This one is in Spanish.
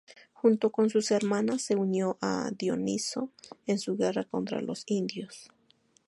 Junto con sus hermanos se unió a Dioniso en su guerra contra los indios.